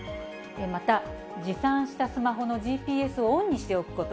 また、持参したスマホのＧＰＳをオンにしておくこと。